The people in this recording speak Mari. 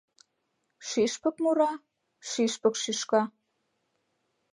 Шӱшпык мура, шӱшпык шӱшка